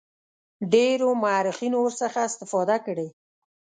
ډیرو مورخینو ورڅخه استفاده کړې.